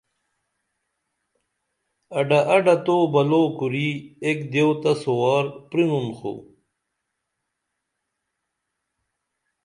اڈہ اڈہ تو بلو کُری ایک دیو تہ سُوار پرینُن خو